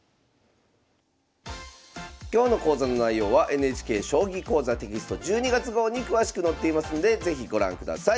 今日の講座の内容はＮＨＫ「将棋講座」テキスト１２月号に詳しく載っていますので是非ご覧ください。